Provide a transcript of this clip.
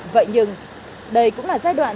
vậy nhưng đây cũng là giai đoạn